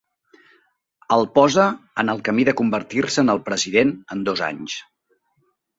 El posa en el camí de convertir-se en president en dos anys.